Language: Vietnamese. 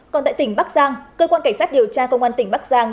còn tại tỉnh bắc giang cơ quan cảnh sát điều tra công an tỉnh bắc giang